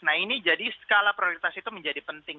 nah ini jadi skala prioritas itu menjadi penting